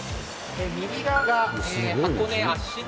右側が箱根芦ノ